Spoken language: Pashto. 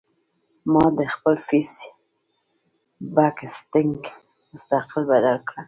ما د خپل فېس بک سېټنګ مستقل بدل کړۀ